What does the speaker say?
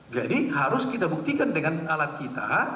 jadi harus kita buktikan dengan alat kita